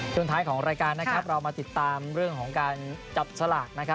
ช่วงท้ายของรายการเรามาติดตามเรื่องของการจับสลาก